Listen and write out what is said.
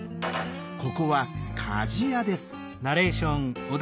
ここは鍛冶屋です。